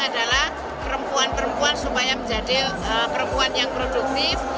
adalah perempuan perempuan supaya menjadi perempuan yang produktif